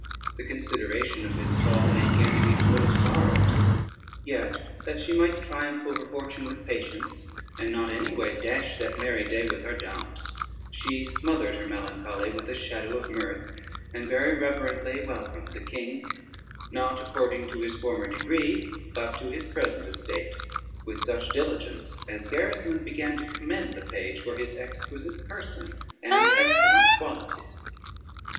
The consideration of his fall made Ganymede full of sorrows; yet, that she might triumph over fortune with patience, and not any way dash that merry day with her dumps, she smothered her melancholy with a shadow of mirth, and very reverently welcomed the king, not according to his former degree, but to his present estate, with such diligence as Gerismond began to commend the page for his exquisite person and excellent qualities. [Footnote 1: affections.